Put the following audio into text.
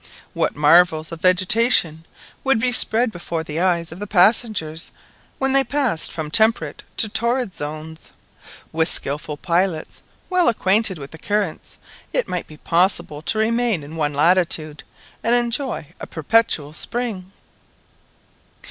What marvels of vegetation would be spread before the eyes of the passengers when they passed from temperate to torrid zones! With skilful pilots, well acquainted with the currents, it might be possible to remain in one latitude, and enjoy a perpetual spring."